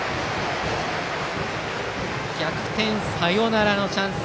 逆転サヨナラのチャンス